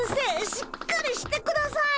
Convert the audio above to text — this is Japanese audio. しっかりしてください！